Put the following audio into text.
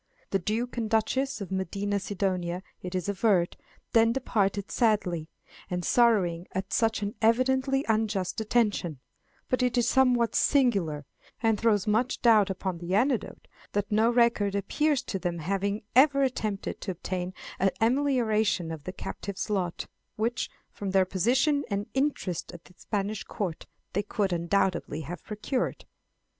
The Duke and Duchess of Medina Sidonia, it is averred, then departed sadly, and sorrowing at such an evidently unjust detention; but it is somewhat singular, and throws much doubt upon the anecdote, that no record appears of them having ever attempted to obtain an amelioration of the captive's lot, which, from their position and interest at the Spanish court, they could, undoubtedly, have procured.